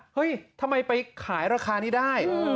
เฮ้ยทำไมไปขายราคานี้ได้